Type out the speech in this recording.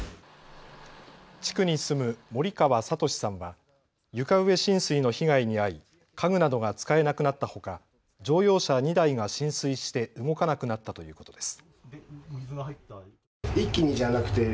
地区に住む森川哲さんは床上浸水の被害に遭い家具などが使えなくなったほか乗用車２台が浸水して動かなくなったということです。